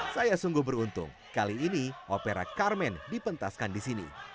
saya sungguh beruntung kali ini opera carmen dipentaskan di sini